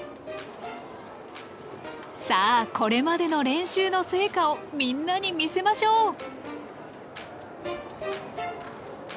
さあこれまでの練習の成果をみんなに見せましょう。